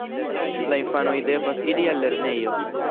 La infanoj devas iri al lernejo.